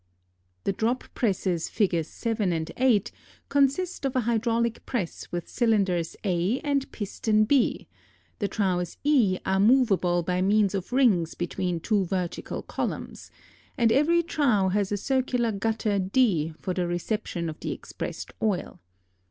The drop presses Figs. 7 and 8 consist of a hydraulic press with cylinders A and piston B; the troughs E are movable by means of rings between two vertical columns and every trough has a circular gutter d for the reception of the expressed oil.